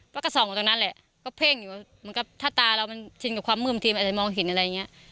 ก็ส่องตรงนั้นแหละก็เพ่งอยู่เหมือนกับถ้าตาเรามันชินกับความมืดบางทีมันอาจจะมองเห็นอะไรอย่างนี้